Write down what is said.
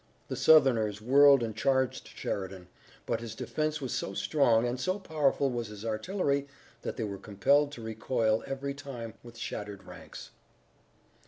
The Southerners whirled and charged Sheridan, but his defense was so strong, and so powerful was his artillery that they were compelled to recoil every time with shattered ranks.